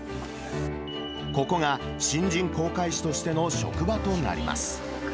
ここが、新人航海士としての職場となります。